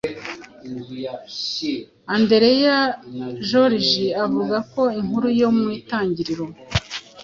Andereya George avuga ko inkuru yo mu Itangiriro